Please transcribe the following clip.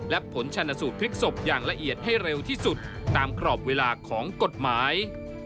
และผลชนสูตรพลิกศพอย่างละเอียดให้เร็วที่สุดตามกรอบเวลาของกฎหมาย